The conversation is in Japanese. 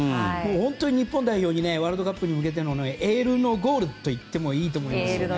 本当に日本代表にワールドカップに向けてのエールのゴールと言ってもいいと思います。